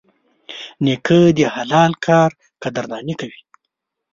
نیکه د حلال کار قدرداني کوي.